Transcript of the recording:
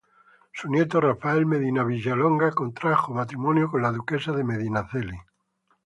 Su nieto Rafael Medina Vilallonga contrajo matrimonio con la duquesa de Medinaceli.